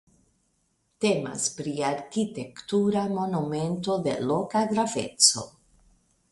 Temas pri arkitektura monumento de loka graveco.